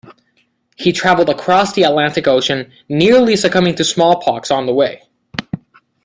He traveled across the Atlantic Ocean, nearly succumbing to smallpox on the way.